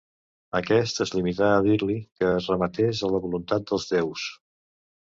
Aquest es limità a dir-li que es remetés a la voluntat dels déus